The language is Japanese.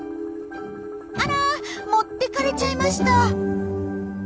あら持ってかれちゃいました。